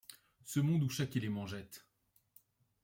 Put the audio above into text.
Ce monde où chaque élément jette